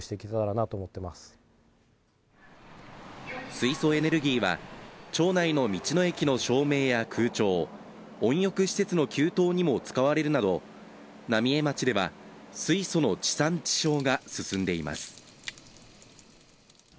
水素エネルギーは町内の道の駅の照明や空調温浴施設の給湯にも使われるなど浪江町では水素の地産地消が進んでいます。